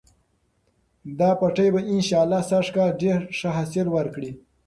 دا پټی به انشاالله سږکال ډېر ښه حاصل ورکړي.